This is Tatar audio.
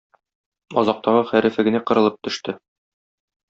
Азактагы хәрефе генә кырылып төште.